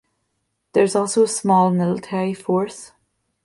There is also a small military force.